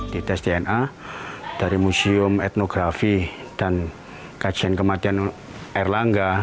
di tes dna dari museum etnografi dan kajian kematian erlangga